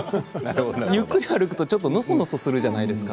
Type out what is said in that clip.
ゆっくり歩くと、のそのそするじゃないですか。